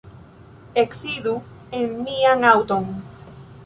Eksidu en mian aŭton.